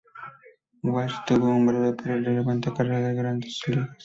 Walsh tuvo una breve pero relevante carrera en las Grandes Ligas.